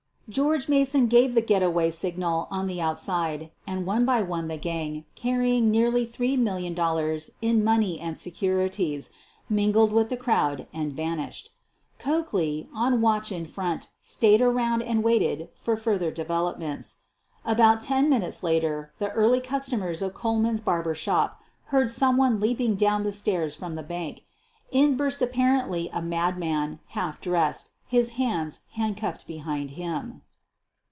George Mason gave the "get away" signal oa the outside, and one by one the gang, carrying nearly QUEEN OF THE BURGLARS 165 $3,000,000 in money and securities, mingled with the crowd and vanished. Coakley, on watch in front, stayed around and waited for further developments. About ten minutes later the early customers of Kohlman's barber shop heard someone leaping down the stairs from the bank. In burst apparently a madman, half dressed, his hands handcuffed be hind him.